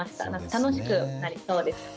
楽しくなりそうですよね。